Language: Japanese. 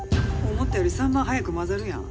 思ったより３倍早く混ざるやん。